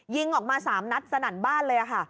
ยิงออกมา๓นัดสนั่นบ้านเลยค่ะ